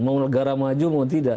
mau negara maju mau tidak